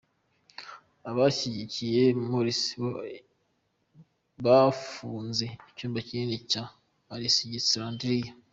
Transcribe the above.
Abashyigikiye Morsi bo bafunze icyambu kinini cya Alegisandiriya.